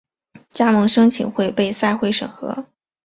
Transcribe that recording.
加盟申请会被赛会审核。